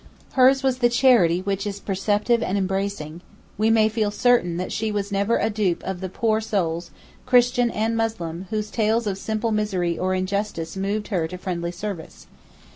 Hers was the charity which is perceptive and embracing: we may feel certain that she was never a dupe of the poor souls, Christian and Muslim, whose tales of simple misery or injustice moved her to friendly service.